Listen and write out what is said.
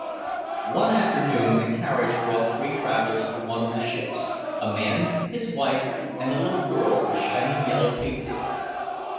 One afternoon a carriage brought three travelers for one of the ships, a man, his wife and a little girl with shining yellow pig tails.